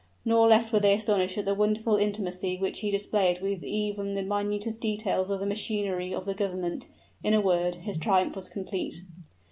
Nor less were they astonished at the wonderful intimacy which he displayed with even the minutest details of the machinery of the government; in a word, his triumph was complete.